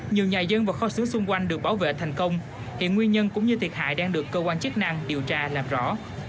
nhiều nhà dân và kho xứ xung quanh được bảo vệ thành công hiện nguyên nhân cũng như thiệt hại đang được cơ quan chức năng điều tra làm rõ